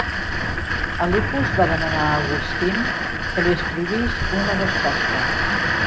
Alypius va demanar a Augustine que li escrivís una resposta.